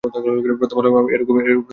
প্রথম আলো আমরা এ রকম হয়ে গেলাম কেন?